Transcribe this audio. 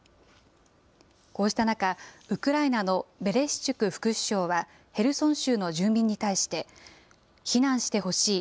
こうした中、ウクライナのベレシチュク副首相は、ヘルソン州の住民に対して、避難してほしい。